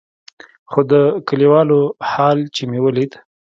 خو د کليوالو حال چې مې وليد.